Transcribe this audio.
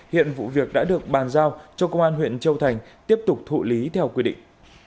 hiện vụ việc đã được bàn giao cho công an huyện châu thành tiếp tục thụ lý theo quy định